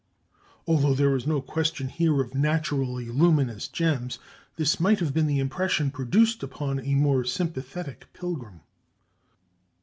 Although there is no question here of naturally luminous gems, this might have been the impression produced upon a more sympathetic pilgrim.